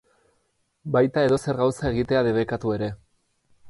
Baita edozer gauza egitea debekatu ere.